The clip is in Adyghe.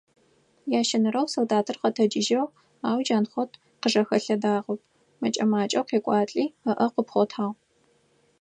Ящэнэрэу солдатыр къэтэджыжьыгъ, ау Джанхъот къыжэхэлъэдагъэп, мэкӀэ-макӀэу къекӀуалӀи, ыӀэ къыпхъотагъ.